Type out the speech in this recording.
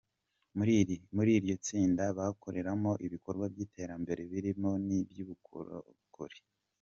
Muri iryo tsinda bakoreramo ibikorwa by’iterambere birimo n’iby’ubukorokori.